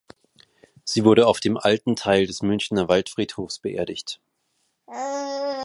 Sie wurde auf dem Alten Teil des Münchner Waldfriedhofs beerdigt.